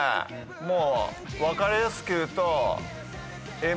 もう分かりやすく言うと。